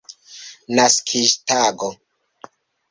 naskiĝtago